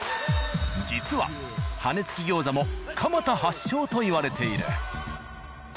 実は羽根付き餃子も蒲田発祥といわれている。